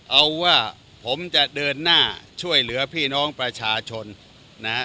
เอาว่าผมจะเดินหน้าช่วยเหลือพี่น้องประชาชนนะฮะ